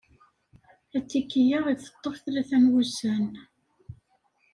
Atiki-a iteṭṭef tlata n wussan.